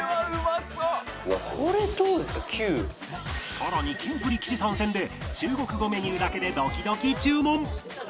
さらにキンプリ岸参戦で中国語メニューだけでドキドキ注文！